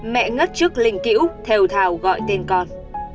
mẹ ngất trước linh cữu thèo thào gọi tên con